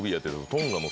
トンガで。